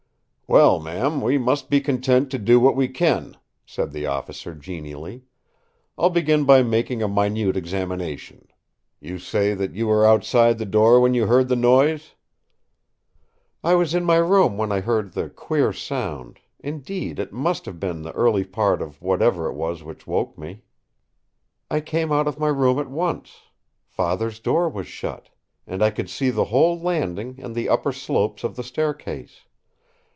"Well, ma'am, we must be content to do what we can," said the officer genially. "I'll begin by making a minute examination. You say that you were outside the door when you heard the noise?" "I was in my room when I heard the queer sound—indeed it must have been the early part of whatever it was which woke me. I came out of my room at once. Father's door was shut, and I could see the whole landing and the upper slopes of the staircase.